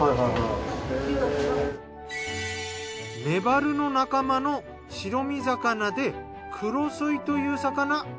メバルの仲間の白身魚で黒ソイという魚。